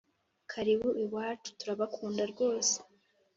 karibu iwacu turabakunda rwose